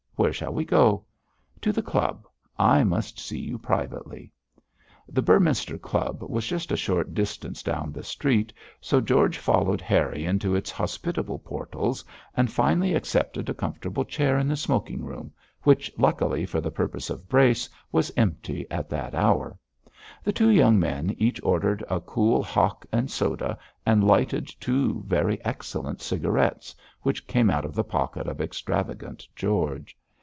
Where shall we go?' 'To the club. I must see you privately.' The Beorminster Club was just a short distance down the street, so George followed Harry into its hospitable portals and finally accepted a comfortable chair in the smoking room, which, luckily for the purpose of Brace, was empty at that hour. The two young men each ordered a cool hock and soda and lighted two very excellent cigarettes which came out of the pocket of extravagant George.